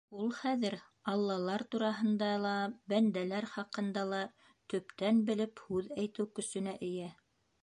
Ул хәҙер аллалар тураһында ла, бәндәләр хаҡында ла төптән белеп һүҙ әйтеү көсөнә эйә.